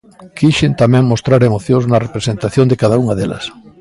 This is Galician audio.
Quixen tamén mostrar emocións na representación de cada unha delas.